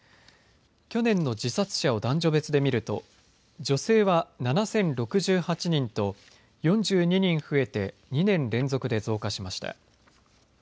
去年の自殺者を男女別で見ると女性は７０６８人と４２人増えて２年連続で増加しました。